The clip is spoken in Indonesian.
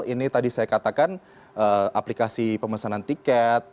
ini tadi saya katakan aplikasi pemesanan tiket